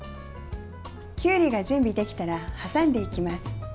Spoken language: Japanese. きゅうりが準備できたら挟んでいきます。